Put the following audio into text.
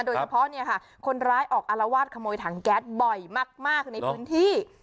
โดยเฉพาะเนี่ยค่ะคนร้ายออกอารวาสขโมยถังแก๊สบ่อยมากในพื้นที่